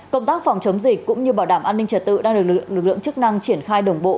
công tác phòng chống dịch cũng như bảo đảm an ninh trật tự đang được lực lượng chức năng triển khai đồng bộ